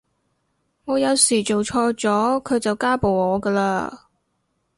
我有時做錯咗佢就家暴我㗎喇